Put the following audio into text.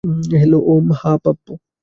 Hello Om, - হ্যাঁ পাপ্পু।